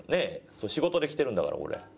仕事で来てるんだから俺。